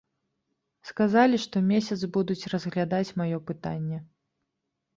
Сказалі, што месяц будуць разглядаць маё пытанне.